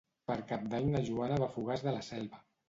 Per Cap d'Any na Joana va a Fogars de la Selva.